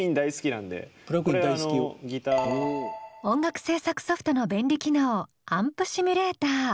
音楽制作ソフトの便利機能アンプシミュレーター。